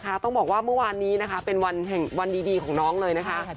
ใช่ต้องบอกว่ามื้อวานนี้เป็นวันดีของน้องเลยนะคะ